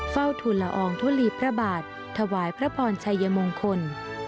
เฝ้าทุนละอองทุลีพระบาทถวายพระพรชัยมงคล